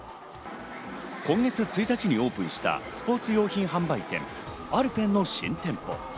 今月１日にオープンしたスポーツ用品販売店、アルペンの新店舗。